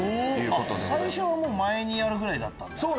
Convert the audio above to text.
最初は前にあるぐらいだったんだ。